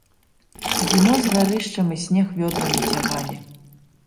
Зімой з гарышча мы снег вёдрамі цягалі.